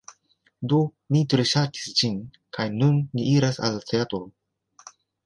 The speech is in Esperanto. Do, mi tre ŝatis ĝin kaj nun ni iras al la teatro